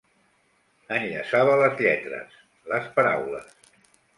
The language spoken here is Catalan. Enllaçava les lletres, les paraules.